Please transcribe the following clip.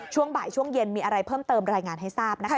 ช่วงบ่ายช่วงเย็นมีอะไรเพิ่มเติมรายงานให้ทราบนะคะ